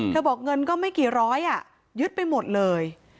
อืมเธอบอกเงินก็ไม่กี่ร้อยอ่ะยึดไปหมดเลย